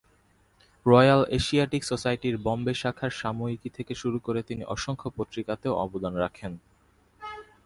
Royal Asiatic সোসাইটির বম্বে শাখার সাময়িকী থেকে শুরু করে তিনি অসংখ্য পত্র-পত্রিকাতেও অবদান রাখেন।